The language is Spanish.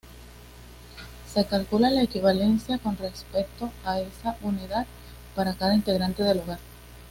Se calcula la equivalencia con respecto a esa unidad para cada integrante del hogar.